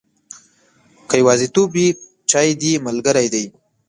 که یوازیتوب وي، چای دې ملګری دی.